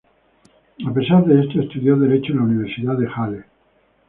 A pesar de esto, estudió Derecho en la Universidad de Halle.